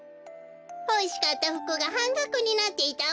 ほしかったふくがはんがくになっていたわべ。